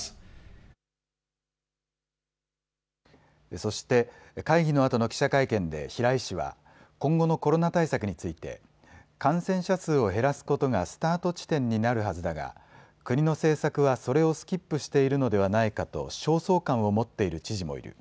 そして会議のあとの記者会見で平井氏は今後のコロナ対策について感染者数を減らすことがスタート地点になるはずだが国の政策はそれをスキップしているのではないかと焦燥感を持っている知事もいる。